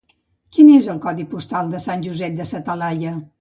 Quin és el codi postal de Sant Josep de sa Talaia?